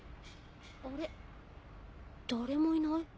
あれ誰もいない？